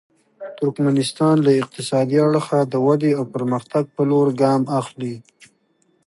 ترکمنستان له اقتصادي اړخه د ودې او پرمختګ په لور ګام اخلي.